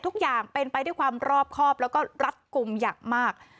ทุกอย่างเป็นไปด้วยความรอบครอบแล้วก็รัดกลุ่มอย่างมาก